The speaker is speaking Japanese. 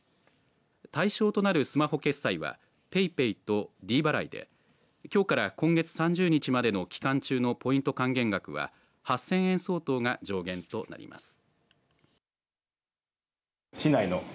対象となるスマホ決済はＰａｙＰａｙとｄ払いできょうから今月３０日までの期間中のポイント還元額は８０００円相当が上限となります。